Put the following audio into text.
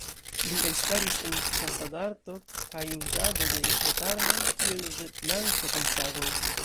Li elstaris en ĉasad-arto kaj uzado de ĵet-armoj, kiel ĵet-lanco kaj sagoj.